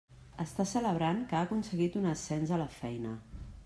Està celebrant que ha aconseguit un ascens a la feina.